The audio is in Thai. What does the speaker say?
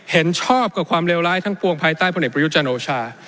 เห็นชอบกับความเลวร้ายทั้งปวงภายใต้พลเอกประยุทธ์จันโอชา